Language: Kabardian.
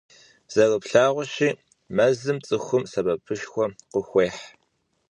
Зэрыплъагъущи, мэзым цӀыхум сэбэпышхуэ къыхуехь.